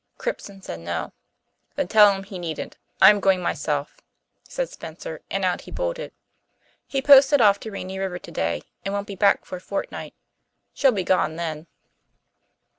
Cribson said, 'No.' Then tell him he needn't; I'm going myself,' said Spencer and out he bolted. He posted off to Rainy River today, and won't be back for a fortnight. She'll be gone then."